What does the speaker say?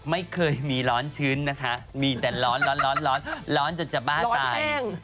ไม่เคยมีร้อนชื้นนะคะมีแต่ร้อนร้อนจนจะบ้าตาย